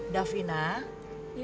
dan setelah itu